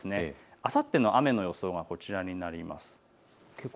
あさっての雨の予想がこちらになります。